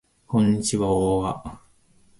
こんにちわわわわ